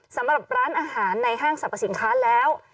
สำหรับร้านอาหารในห้างสรรพสินค้าแล้ว